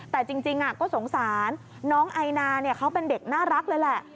แต่จริงก็สงสารน้องไอนาเขาเป็นเด็กน่ารักเลยแหละ